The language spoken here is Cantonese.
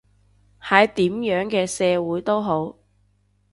喺點樣嘅社會都好